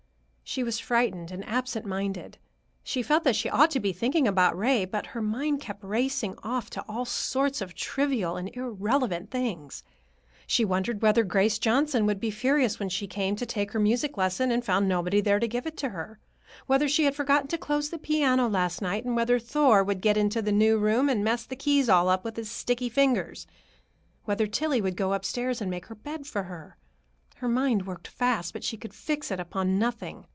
She was frightened and absent minded. She felt that she ought to be thinking about Ray, but her mind kept racing off to all sorts of trivial and irrelevant things. She wondered whether Grace Johnson would be furious when she came to take her music lesson and found nobody there to give it to her; whether she had forgotten to close the piano last night and whether Thor would get into the new room and mess the keys all up with his sticky fingers; whether Tillie would go upstairs and make her bed for her. Her mind worked fast, but she could fix it upon nothing.